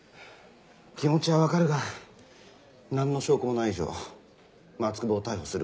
気持ちはわかるがなんの証拠もない以上松久保を逮捕する事はできない。